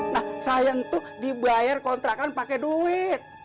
nah saya itu dibayar kontrakan pakai duit